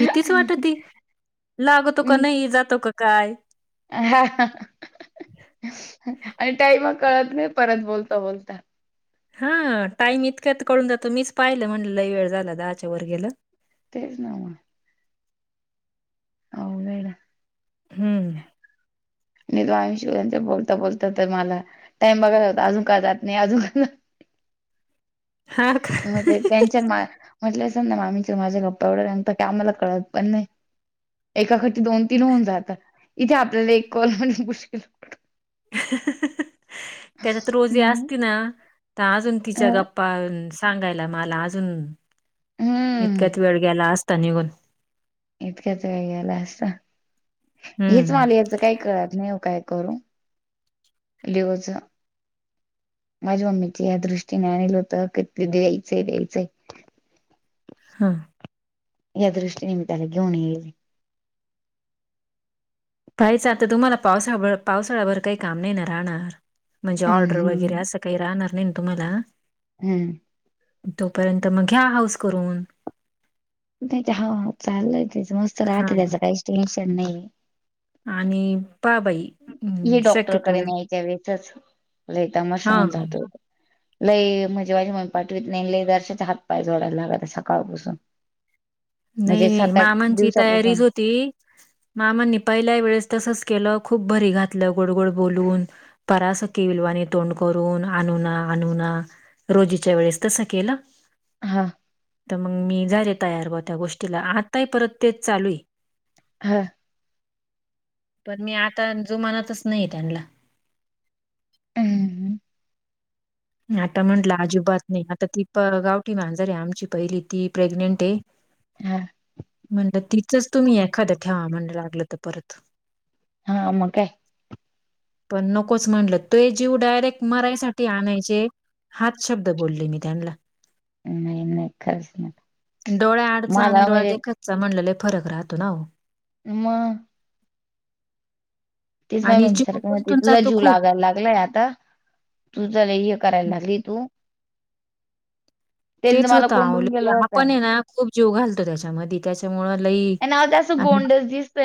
भीतीच वाट ती लागतो का नाही जातो का काय हा आणि टाईम कळत नाही परत बोलतो बोलता हा टाइम इतक्यात कळून जातो मीच पाहिलं म्हण लई वेळ झाला दहाच्या वर गेला तेच नावा हो बेड हम्म म तो आ् शिव बोलता बोलता तर मला टाइम बघायला होता अजून का जात नाही अजून का हां का? म त्यांच्या मा म्हटलं असल ना आम् माझ्या गप्पा एवढा रगतो की आम्हाला कळत पण नाही एकाक दोन तीन होऊन जातात इथे आपल्याला एक कॉल म्ह पुकल त्याच्यात रोजी हं, असती ना तर अजून अ तिच्या गप् प् सांगायला मला अजून हम्म इतक्यात वेळ गेला असता निघून इतक्याच वेळ गेला असत हीच हं, माली काही कत नाही काय करू लिवच माझ्या मम्मीच्या या दृष्टीने आणलं होत क द्यायचं द्यायचंय हां या दृष्टीनेम्ताला घेऊन येले पायच आता तुम्हाला पावसाभ पावसाळ्याभर काही काम नाही ना राहणार म्हणजे ऑर्डर वगैरे हम्म असं काही राहणार नाही ना तुम्हाला हम्म तोपर्यंत मग घ्या हाऊस करून नाही हा चालय त्याच मस्त राहते हां. त्याचं काहीच टेन्शन नाही आणि पाबाई हे डॉक्टरकडे न्यायच्या वेळेसच हां. रतामशाहन जात हो लई म्हझे माजी म्हण पाठवीत नाही लय दर्शाचे हात पाय जोडायला लागत सकाळपसून नाही नाही मामांची तयारीच दिवसापासून होती मामाांनी पहिल्या वेळेस तसच केलं खूप भरी घातलं गोड गोड बोलून परासखी विलवाने तोंड करून आणना आणुना रोजीच्या वेळेस तस केलं हा तर मग मी झाले तयार हो त्या गोष्टीला आताय परत तेच चालू आहे हां पण मी आता जुमानातच नाही त्यांना हम् आता म्हंटलं अजिबात नाही आता ती प गावठी मांजर आहे आमची पहिली ती प्रेग्नेंट आहे हा म्हणड तिचच तुम्ही एखादं ठेवा म्हण लागलं तर परत हा म काय पण नकोच म्हणलं तो जीव डायरेक्ट मरायसाठी आणायच े हात शब्द बोलले मी त्यांना नाही नाही खरच नाही डोळ्या अडचा आणि मला म्हणजे डोळ्या खातचा म्हणलेले फरक राहतो ना म तीच मा आणि म जीव सारखं मती गुंतून तुझा जातो जीव खूप लागायला लागलाय आता तु चला हे करायला लागली तू त्यांनी तर तेच मला होतं आवल कोंडून गेलं हा होता पण ये ना खूप जीव घालतो त्याच्यामध्ये त्याच्यामुळं लई आणि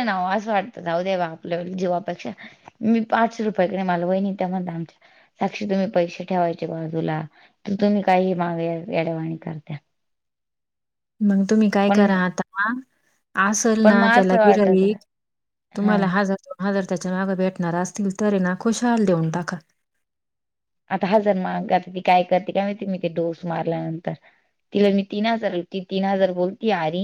नावा असं वाटतात हऊ दे वा आपल्या जीवापेक्षा मी पाचशे रुपयाकडे मालवहिनी त्यामध्ये आमच्या साक्षी तुम्ही पैसे ठेवायचे बाजूला तर तुम्ही काही माग वडेवाणी करत मग तुम्ही काय करा पण आ असल पण ना मग त्याला असं वाटत गि हा तुम्हाला हार हा जर त्याच्या मागं भेटणार असतील तर ना खुशाल देऊन टाका आता हा जर मा आता ती काय करते का माहिती मी ते डोस मारल्यानंतर तिला मी तीन हजार होती तीन हजार बोलती अर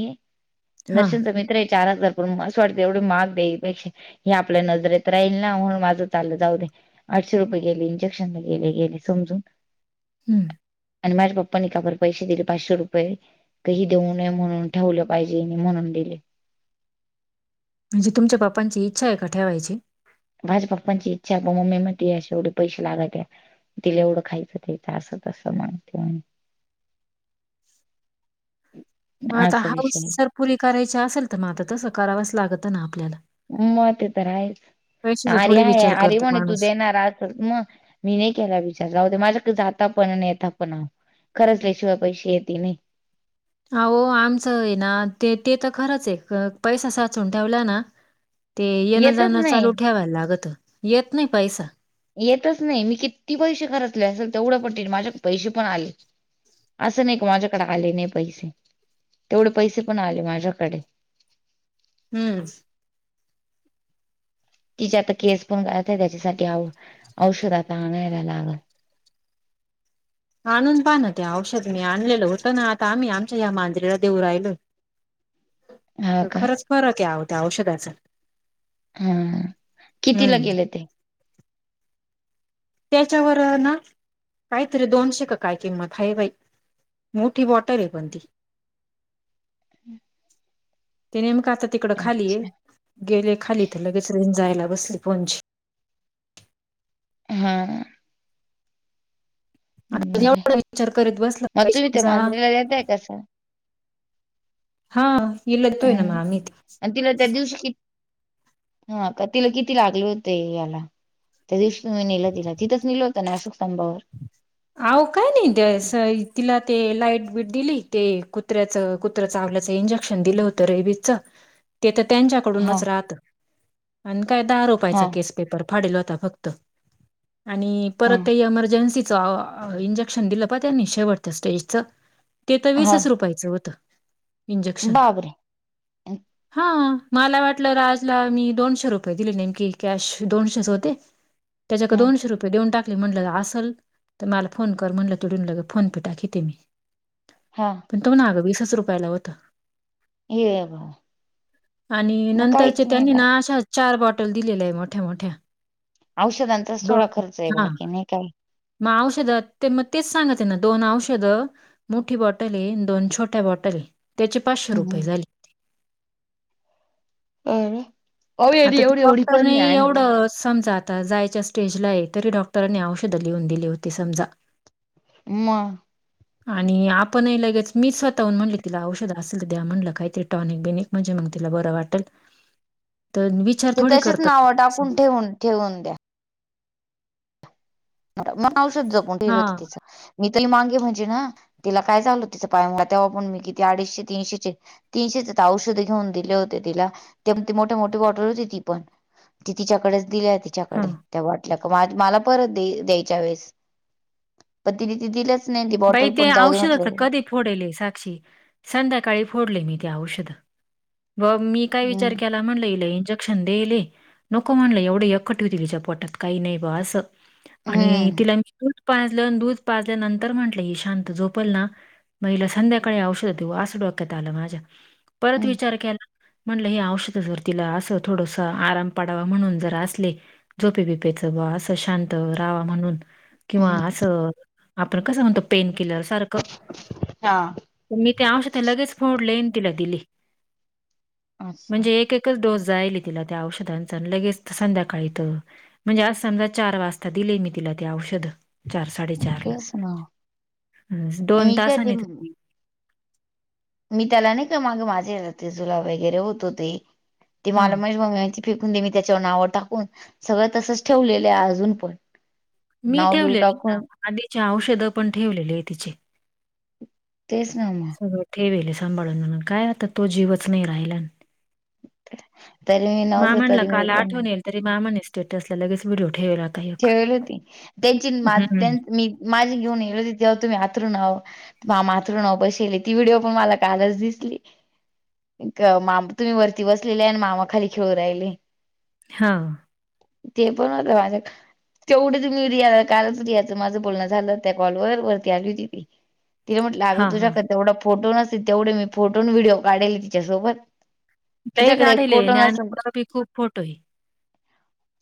हा दर्शनचा मित्र आहे चार हजार ण असं वाटत एवढी मग देई पेक्ष हे आपल्या नजरेत राहील ना म्हणून माझं चाललं जाऊ दे आठशे रुपये गेले इंजेक्शनला गेले गेले समजून हम्म आणि माझ्या पप्पानी काबर पैसे दिले पाचशे रुपये काही देऊ नये म्हणून ठेवलं पाहिजे नाही म्हणून दिले म्हणजे तुमच्या बापांची इच्छा आहे का ठेवायची भाझ्या पप्पांची इच्छा प मम्मी मतीेवढे पैसे लागत तिला एवढं खायचं त्यायचं असं तसं माहिते मग आता असं हाऊस विषय जर पुरी करायची असेल तर मग आता तसं करावच लागत ना आपल्याला मग ते तर आहेच पैशाचा आर थोडी आहे विचार आर करतो म्हणे तू माणूस. देणार असल मग मी नाही केला विचारला होते माझ्याकडे जाता पण नेता पण ह खरंचल्याशिवाय पैसे येते नाही अह आमचं आहे ना ते ते तर खरंच आहे पैसा साचून ठेवला ना ते येणं येतच जाणं नाही चालू ठेवायला लागत येत नाही पैसा येतच नाही मी किती पैसे खतले असेल तेवढं पटेल माझ्या पैसे पण आले असं नाही का माझ्याकडे आले नाही पैसे तेवढे पैसे पण आले माझ्याकडे हम्म तिचे आता केस पण करत आहे त्याच्यासाठी औ औषध आता आणायला लागल आणून पण त्या औषध मी आणलेललं होतं ना आता आम्ही आमच्या या मांजरीला देऊ राहिलो हा का खरंच फरक आहे होत्या औषधाचा हा कितीला हं. केले ते त्याच्यावर ना काहीतरी दोनशे का काय किंमत ह बाई मोठी बॉटल आहे पण ती हम्म ते नेमक आता तिकडं खाली गेले खाली तर लगेच रेंज जायला बसली फोनची हम्म आता बरं एवढा विचार करीत बसला पैशांचा येत आहे कसं हा इल तोयन हम्म अमीत आणि तिला त्या दिवशी किती ह का तिला किती लागले होते याला त्या दिवशी तुम्ही नेलं तिला तिंथेच नेलं होत ना अशोक स्तंभावर अहो काय नाही त्या तिला ते लाईट बीट दिली ते कुत्र्याच कुत्रा चावल्याच इंजेक्शन दिलं होत रेबीच ते तर हा त्यांच्याकडूनच राहतं आणि काय दहा हा रुपायचा केस पेपर फाडेलं होता फक्त आणि हा परत ते इमर्जेन्सी इंजेक्शन दिलं पहा त्यानि ते शेवटच्या स्टेजच ते तर हा वीसच रुपयाचं होतं इंजेक्शन अम हा मला वाटलं राजला मी दोनशे रुपये दिले नेमकी कॅश दोनशेच होते त्याच्याकडे हा दोनशे रुपये देऊन टाकले म्हटलं असल तर मला फोन कर म्हणलं तीडून लगेच फोन पे टाकिती मी हा पण तो म्हणे अगं वीसच रुपयाला होतं ये बाबा आणि मग नंतरचे काहीच त्यांनी नाही ना अशा चार बॉटल दिलेलं आहे मोठ्या मोठ्या औषधांचाच थोडा खर्च आहे हां, बाकी नाही काय मग औषध ते मग तेच सांगते ये ना दोन औषधं मोठी बॉटल दोन छोट्या बॉटल त्याचे पाचशे रुपये हम्म झाली अहो याने आता ते एवढी एवढी पण डॉक्टरने नाही आणली एवढं समजा आता जायच्या स्टेजला आहे तरी डॉक्टरांनी औषधं लिहून दिली होती समजा मग आणि आपणही लगेच मी स्वतःहून म्हणले तिला औषध असेल द्या म्हटलं काहीतरी टॉनिक बिनिक म्हणजे मग तिला बरं वाटेल तर विचार ते थोडी तसेच करत नावावर टाकून ठेवून ठेवून द्या मग औषध जपून ठेलं हा होत तिचं मी तरी मागे म्हणजे ना तिला काय झालं तिचा पाय मग तेव्हा पण मी किती अडीचशे तीनशे चे तीनशेच औषध घेऊन दिले होते तिला त्या मोठे मोठी बॉटल होती ती पण ती तिच्याकडेच दिली ते हा कडे बाटल्या मला परत देईल यायच्या वेळेस तर तिने ते दिलेच नाही बाई बॉटल ते पण जाऊ म्हटले औषधाचं कधी फोडेले साक्षी संध्याकाळी फोडले मी ते औषध व मी काय विचार हम्म केला म्हणलं इला इंजेक्शन देइल नको म्हणलं एवढं एखटी तिच्या पोटात काही नाही बॉ असं आणि हम्म तिला दूध पाजलं अनं दूध पाजल्यानंतर तर म्हंटलं शांत झोपल ना मग हिला संध्याकाळी औषध देऊ असं डोक्यात आलं माझ्या परत हम्म विचार केला म्हणलं हे औषध जर तिला असं थोडस आराम पडावा म्हणून जर असले झोपे बिपेचं बा असं शांत रावा म्हणून किंवा हम्म असं आपण कसं म्हणतो पेन किलर सारखं हा. तर मी ते औषध लगेच फोडले आन तिला दिली अच्छा म्हणजे एक एक एकच डोस जायल तिला त्या औषधांचा लगेच संध्याकाळी तर म्हणजे आस समजा चार वाजता दिले मी तिला ते औषध चार साडेचार ला तेच ना दोन मी काय तासांनी ये ते मी त्याला नाही का मागे माझे तेजुला वगैरे होत होते ते मला हं. म्हणजे ममीचे फकून देे मी त्याच्यावर नावं टाकून सगळं तसंच ठेवलेलं अजून पण मी नाव बिव ठेवलेले ना टाकून आधीचे औषधं पण ठेवलेली आहे तिचे तेच ना मग ठेवेले सांभाळून म्हनून काय आता तो जीवच नाही राहिला तरी मी नव्हतो मामनला तरी मी काल पण आठवन यालती तरी मामांनी स्टेटस ला लगेच व्हिडिओ ठेवेला ठेवले होती त्यांची मा त्ये मी माझी घेऊन येवढिच ईच्छा होती तुम्ही आतरून हवं मामा हातरुना व बशीली ती व्हिडिओ पण मला कालच दिसली मामा तुम्ही वरती बसलेले आणि मामा खाली खेळू राहिले. हा ते पण होत माझ्याकड तेवढेच मी रियाला कालच रियाचं माझं बोलणं झालं त्या कॉलवर वरती आली होती ती तिला म्हटलं अगं हां, हां. तुझ्याक तेवढा फोटो नसतील तेवढे मी फोटोन व्हिडिओ काढले तिच्यासोबत लेय तुझ्याकडे एक काढिले आहे फोटो ज्ञानू नसेल बरोबर खूप फोटो आहे.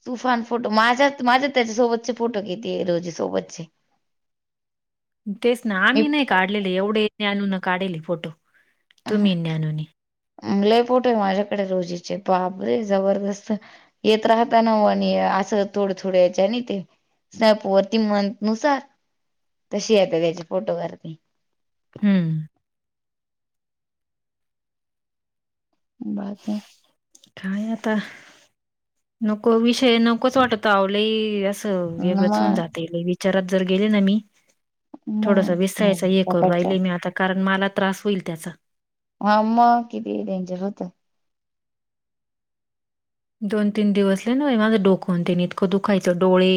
तुफान फोटो माझ्यात माझ्यात त्याच्यासोबतचे फोटो घेते रोजी सोबतचे तेच ना मी आम्ही नाही काढलेले एवढे ज्ञानून काढेली फोटो तुम्ही नी ज्ञानूनी लय पोटो आहे माझ्याकडे रोजीचे बापरे जबरदस्त येत राहताना ओ आणि असं थोडं थोड याच्या आणि ते स्नाॅपवरती म नुसार तशी येतं त्याच्या फोटोग्राफी हम्म बाकी काय आता नको विषय नकोच वाटत आवो लई असं वेगळंच होऊन मग जात. ते मी विचारात जर गेले ना मी थोडस विसरायच मग हे करू त्यापेक्षा राहिले मी आता कारण मला त्रास होईल त्याचा हां मग किती डेंजर होतं. दोन तीन दिवसले न माझं डोकन त्यांने इतकं दुखायचं डोळे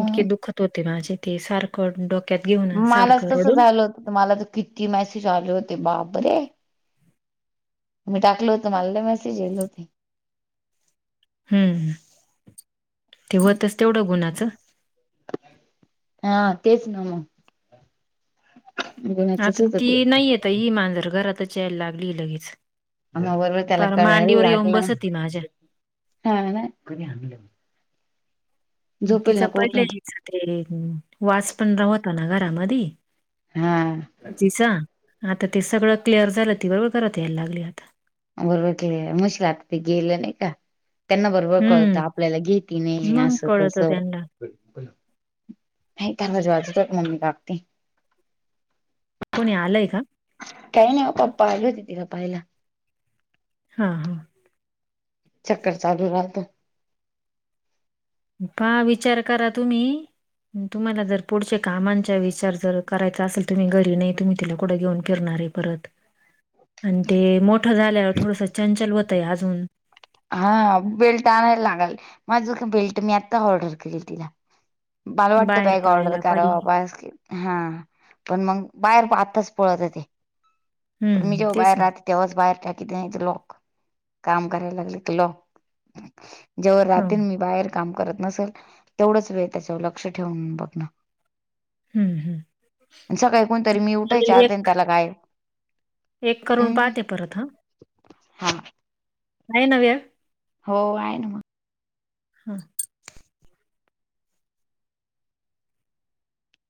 इतके दुःखत होते माझे ते सारखं डोक्यात घेऊन. आणि मला सारखं तसं रडून झालं होत मला तर किती मेसेज आले होते बापरे मी टाकलो होतं मलाल्ये मेसेज येत होते. हम्म ते होतच तेवढं गुणाचं हा तेच ना मग गु्णाचच होत ते तर ही मग मांजर घरातच आला लागली लगेच बरोबर त्याला पार कळायला मांडीवर येऊन लागलं बसती माझ्या हा... ना झोपेल तिचां नको पडले उठून तिच ते.. वास पण धावतो घरामधी हा जिचा आता ते सगळं क्लिअर झालं ती बरोबर करत यायला लागली आता बरोबर केल मुशकल आता ते गेलं नाही का? त्यांना बरोबर हं. कळतं आपल्याला घेती नाही मग असं कळतं तसं त्यांना. नाही त्याज वाजत मम्मी कापते कोणी आलंय का? काही नाही ओ पप्पा, आली होती तिला पाहायला. हा हा चक्कर चालू राहतं. का विचार करा तुम्ही! तुम्हाला जर पुढच्या कामांचा विचार जर करायचा असेल तुम्ही घरी नाही तुम्ही तिला कुढं घेऊन फिरणारे आहे परत आणि ते मोठ झाल्यावर थोडस चंचल होतंय अजून हा.. बेल्ट आणायला लागाल, माझं का बेल्ट मी आत्ता ऑर्डर केल तिला मला वाटतं बाहेर बॅग ऑर्डर पडायला पाहिजे. करावबा हा.. पण मग बाहेर आताच पळत ते पण मी हं, जेव्हा तेच बाहेर ना. राहते.. तेव्हाच बाहेर टा क नाही लॉक काम करायला लागले की लॉक जेव हं, रात्री मी बाहेर काम करत नसेल तेवढच वेळ त्याच्यावर लक्ष ठेवून बघण. हं, हं. सकाळी कोणतरी मी उठायच्या चालेल आता एक त्याला काय एक करून पाहते परत ह.. हा नाही ना वेळ हो.. आहे ना मग हा